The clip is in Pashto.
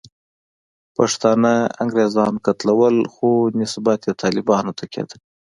پښتانه انګریزانو قتلول، خو نسبیت یې طالبانو ته کېدلو.